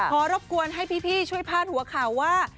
รบกวนให้พี่ช่วยพาดหัวข่าวว่า